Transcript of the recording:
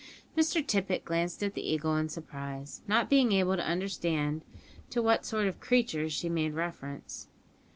Mr Tippet glanced at the Eagle in surprise, not being able to understand to what sort of "creatures" she made reference.